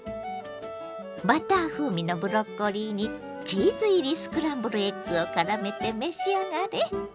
バター風味のブロッコリーにチーズ入りスクランブルエッグをからめて召し上がれ。